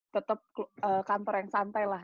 tetap kantor yang santai lah